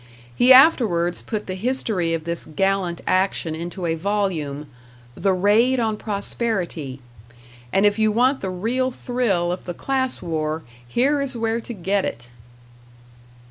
He afterwards put the history of this gallant action into a volume, "The Raid on Prosperity"; and if you want the real thrill of the class war, here is where to get it!